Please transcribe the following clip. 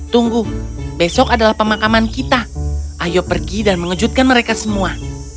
tunggu besok adalah pemakaman kita ayo pergi dan mengejutkan mereka semua